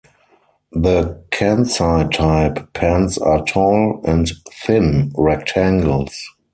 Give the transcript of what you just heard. The Kansai-type pans are tall-and-thin rectangles.